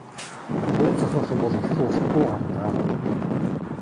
Дуу зохиох юм бол их л урт дуу гарна даа.